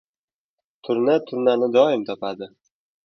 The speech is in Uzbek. • Turna turnani doim topadi.